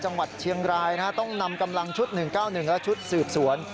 จังหวัดเชียงรายต้องนำกำลังชุด๑๙๑และชุดสืบสวน